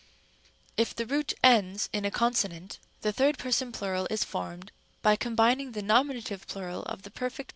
If the root ends in a consonant, the third person plural is formed by combining the nominative plural of the perfect.